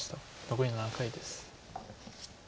残り７回です。